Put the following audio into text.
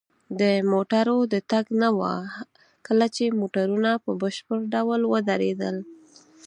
د موټرو د تګ نه وه، کله چې موټرونه په بشپړ ډول ودرېدل.